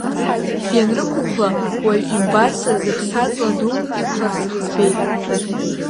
Ианрықәхәла, уаҩы имбарц азы ԥса ҵла дук икәларц рыӡбеит.